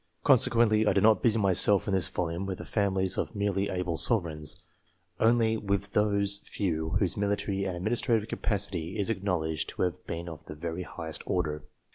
Consequently, I do not busy myself in this volume with the families of merely able sovereigns 42 COMPARISON OF THE only with those few whose military and administrative capa city is acknowledged to have been of the very highest order.